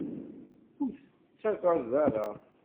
Ur t-tettagad ara.